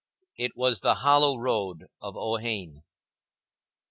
It was the hollow road of Ohain.